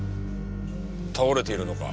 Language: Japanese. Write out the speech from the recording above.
倒れているのか？